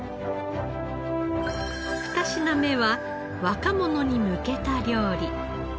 ２品目は若者に向けた料理。